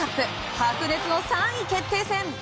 白熱の３位決定戦。